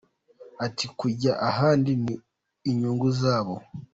Ati” Kujya ahandi ni unyungu zabo.